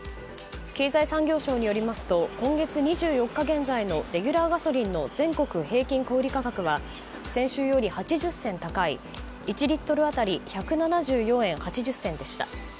経済産業省によりますと今月２４日現在のレギュラーガソリンの全国平均小売価格は先週より８０銭高い１リットル当たり１７４円８０銭でした。